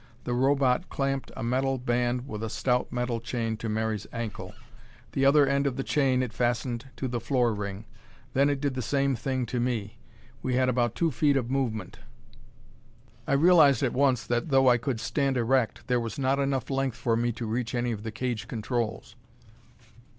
The Robot clamped a metal band with a stout metal chain to Mary's ankle. The other end of the chain it fastened to the floor ring. Then it did the same thing to me. We had about two feet of movement. I realized at once that, though I could stand erect, there was not enough length for me to reach any of the cage controls.